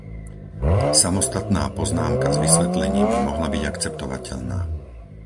Samostatná poznámka s vysvetlením by mohla byť akceptovateľná.